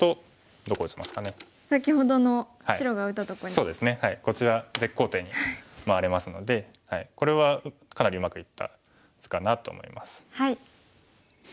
そうですねこちら絶好点に回れますのでこれはかなりうまくいった図かなと思います。